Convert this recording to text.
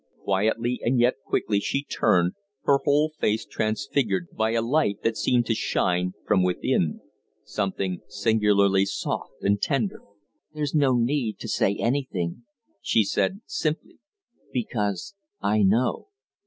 Quietly and yet quickly she turned, her whole face transfigured by a light that seemed to shine from within something singularly soft and tender. "There's no need to say anything," she said, simply, "because I know."